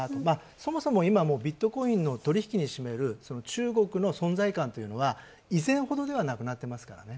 そもそも、今、ビットコインの取り引きに占める中国の存在感というのは以前ほどではなくなってます。